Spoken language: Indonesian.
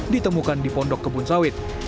ditemukan di pondok kebun sawit